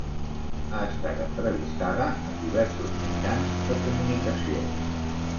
Ha estat entrevistada en diversos mitjans de comunicació.